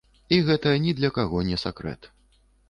І гэта ні для каго не сакрэт.